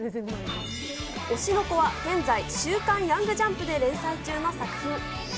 推しの子は現在、週刊ヤングジャンプで連載中の作品。